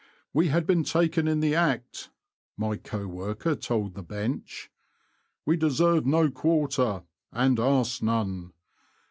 '' We had been taken in the act," my co worker told the bench. '' We deserved no quarter, and asked none.